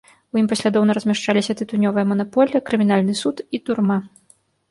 У ім паслядоўна размяшчаліся тытунёвая манаполія, крымінальны суд і турма.